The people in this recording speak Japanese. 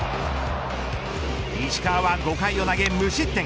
石川は５回を投げ、無失点。